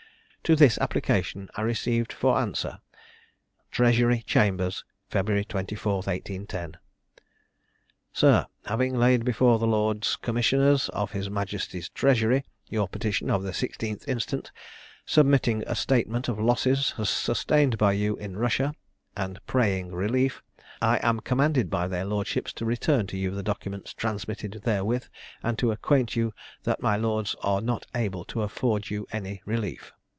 To this application I received for answer "'Treasury Chambers, Feb. 24, 1810. "'SIR, Having laid before the lords commissioners of his majesty's treasury your petition of the 16th instant, submitting a statement of losses sustained by you in Russia, and praying relief, I am commanded by their lordships to return to you the documents transmitted therewith, and to acquaint you that my lords are not able to afford you any relief.